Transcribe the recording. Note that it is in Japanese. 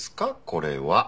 これは。